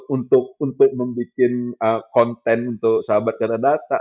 untuk membuat konten untuk sahabat kata